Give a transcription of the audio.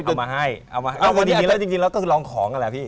จริงแล้วก็คือลองของกันแหละพี่